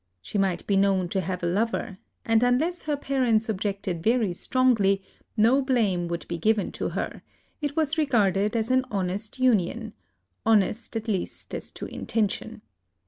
She might be known to have a lover; and unless her parents objected very strongly, no blame would be given to her : it was regarded as an honest union, — honest, at least, as to inten tion.